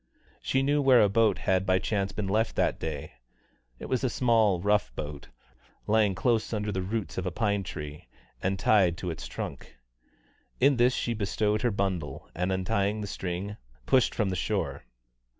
She knew where a boat had by chance been left that day; it was a small rough boat, lying close under the roots of a pine tree, and tied to its trunk. In this she bestowed her bundle, and untying the string, pushed from the shore.